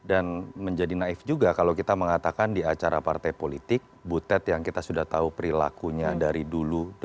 dan menjadi naif juga kalau kita mengatakan di acara partai politik butet yang kita sudah tahu perilakunya dari dulu